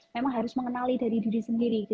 memang harus mengenali dari diri sendiri